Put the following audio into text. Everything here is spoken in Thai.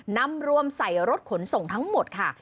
นำรวมใส่รถขนส่งทั้งหมดค่ะ